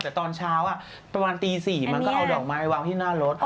แต่ตอนเช้าประมาณตี๔มันก็เอาดอกไม้วางที่หน้ารถ